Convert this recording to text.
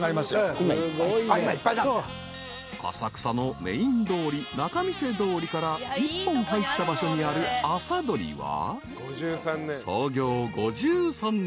［浅草のメイン通り仲見世通りから一本入った場所にある麻鳥は創業５３年。